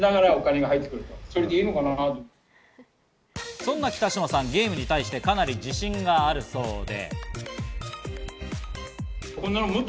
そんな北嶋さん、ゲームに対してかなり自信があるそうで。